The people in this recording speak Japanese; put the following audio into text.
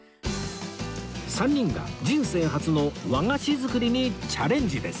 ３人が人生初の和菓子作りにチャレンジです